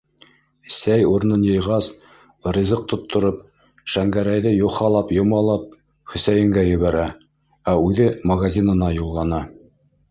Сәй урынын йыйғас, ризыҡ тоттороп, Шәңгәрәйҙе юхалап-йомалап, Хөсәйенгә ебәрә, ә үҙе магазинына юллана.